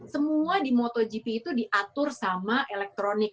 semua di motogp itu diatur sama elektronik